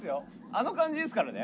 あの感じですからね